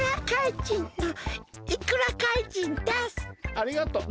ありがとう。